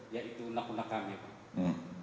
ya itu unak unak kami pak